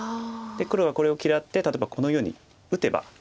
黒はこれを嫌って例えばこのように打てば。